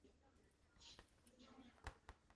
前身为清朝淡水厅儒学学宫。